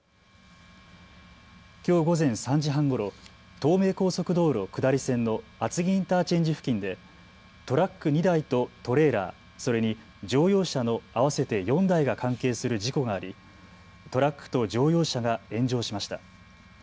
きょう午前３時半ごろ東名高速道路下り線の厚木インターチェンジ付近でトラック２台とトレーラー、それに乗用車の合わせて４台が関係する事故がありトラックと乗用車が炎上しました。